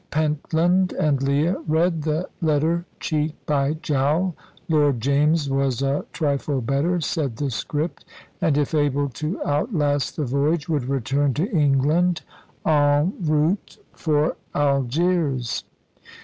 Pentland and Leah read the letter cheek by jowl. Lord James was a trifle better, said the script, and if able to outlast the voyage, would return to England, en route for Algiers.